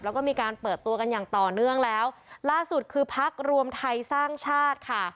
แล้วก็มีการเปิดตัวกันอย่างต่อเนื่องแล้วล่าสุดคือพักรวมไทยสร้างชาติค่ะ